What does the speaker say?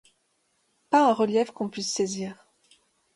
Pas un relief qu’on puisse saisir.